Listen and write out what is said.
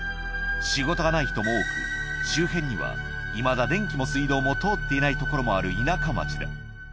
仕事がない人も多く、周辺にはいまだ電気も水道も通っていない所もある田舎町だ。